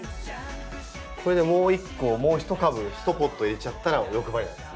これでもう一個もう一株一ポット入れちゃったら欲張りなんですね。